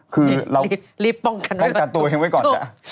คือเรารีบป้องกันตัวเองไว้ก่อน